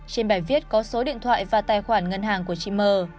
trên bài viết có số điện thoại và tài khoản ngân hàng của chị m